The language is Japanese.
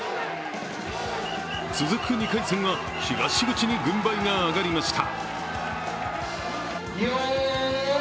続く２回戦は東口に軍配が上がりました。